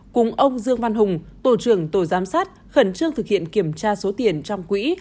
cùng ông dương văn hùng tổ trưởng tổ giám sát khẩn trương thực hiện kiểm tra số tiền trong quỹ